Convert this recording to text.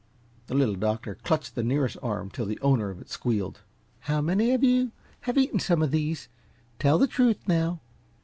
The Little Doctor clutched the nearest arm till the owner of it squealed. "How many of you have eaten some of these? Tell the truth, now."